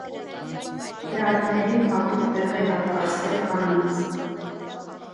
Խրատներում հատուկ տեղ է հատկացվել կանանց։